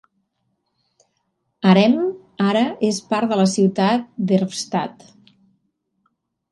Ahrem ara és part de la ciutat Erftstadt.